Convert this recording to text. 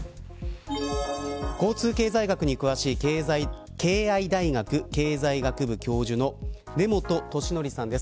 交通経済学に詳しい敬愛大学経済学部教授の根本敏則さんです。